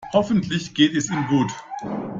Hoffentlich geht es ihm gut.